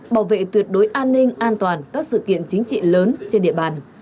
bảo vệ tuyệt đối an ninh an toàn các sự kiện chính trị lớn trên địa bàn